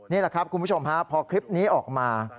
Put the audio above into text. นี่แหละครับคุณผู้ชมฮะพอคลิปนี้ออกมา